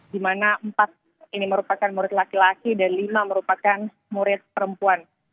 di mana empat ini merupakan murid laki laki dan lima merupakan murid perempuan